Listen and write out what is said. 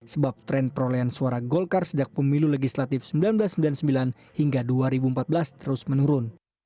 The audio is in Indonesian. sebab tren perolehan suara golkar sejak pemilu legislatif seribu sembilan ratus sembilan puluh sembilan hingga dua ribu empat belas terus menurun